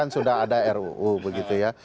sudah ada ruu begitu ya